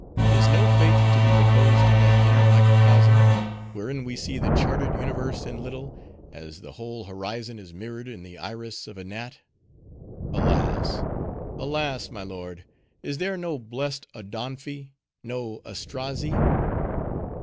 Is no faith to be reposed in that inner microcosm, wherein we see the charted universe in little, as the whole horizon is mirrored in the iris of a gnat? Alas! alas! my lord, is there no blest Odonphi? no Astrazzi?"